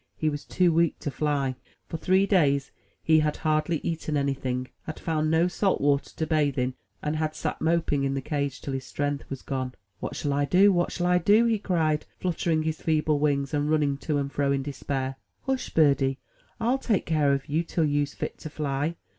he was too weak to fly. For three 91 MY BOOK HOUSE days he had hardly eaten anything, had found no salt water to bathe in, and had sat moping in the cage till his strength was gone. ''What shall I do? what shall I do?*' he cried, fluttering his feeble wings, and running to and fro in despair. "Hush, birdie, FU take kere ob you till you's fit to fly.